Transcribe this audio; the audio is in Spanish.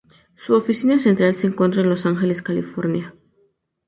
Su oficina central se encuentra en Los Ángeles, California.